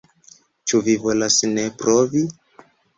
Ĉu vi volas ne provi?